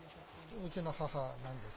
うちの母なんです。